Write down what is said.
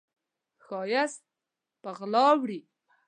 ښایست په غلا وړي